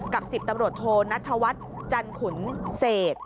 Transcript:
กับ๑๐ตำรวจโทนณฑวัฒน์จันขุนเสก